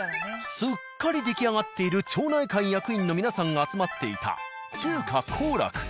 すっかり出来上がっている町内会役員の皆さんが集まっていた中華「幸楽」。